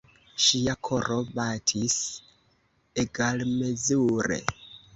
Ŝia koro batis egalmezure.